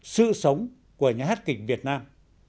sự sống của nhà hát kịch việt nam